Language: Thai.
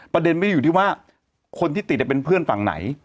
ประเด็นไม่ได้อยู่ที่ว่าคนที่ติดเป็นเพื่อนฝั่งไหน